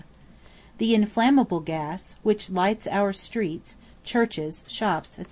The inflammable gas, which lights our streets, churches, shops, &c.